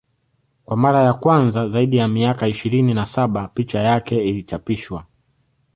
Kwa mara ya kwanza zaidi ya miaka ishirini na saba picha yake ilichapishwa